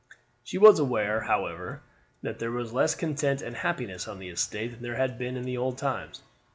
She was aware, however, that there was less content and happiness on the estate than there had been in the old times.